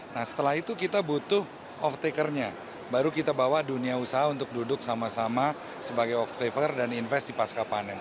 nah setelah itu kita butuh off taker nya baru kita bawa dunia usaha untuk duduk sama sama sebagai off taker dan investasi pasca panen